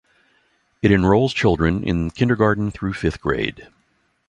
It enrolls children in kindergarten through fifth grade.